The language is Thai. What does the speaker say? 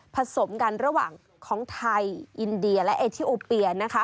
สมกันระหว่างของไทยอินเดียและเอทีโอเปียนะคะ